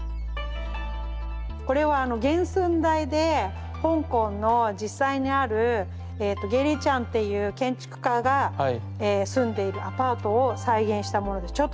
これは原寸大で香港の実際にあるゲイリー・チャンっていう建築家が住んでいるアパートを再現したものです。